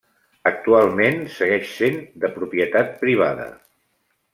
Actualment segueix sent de propietat privada.